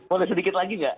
boleh sedikit lagi nggak